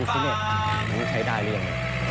ไอดูสิเน็ตมึงใช้ได้หรือยัง